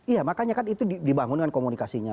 iya makanya kan itu dibangun dengan komunikasinya